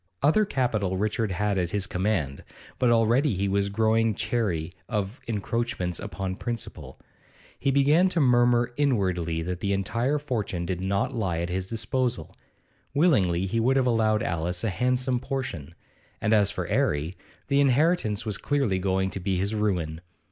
Other capital Richard had at his command, but already he was growing chary of encroachments upon principal. He began to murmur inwardly that the entire fortune did not lie at his disposal; willingly he would have allowed Alice a handsome portion; and as for 'Arry, the inheritance was clearly going to be his ruin.